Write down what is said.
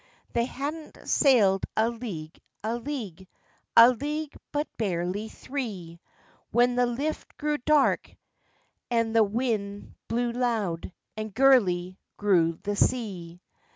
They hadna sail'd a league, a league, A league but barely three, When the lift grew dark, and the wind blew loud, And gurly grew the sea.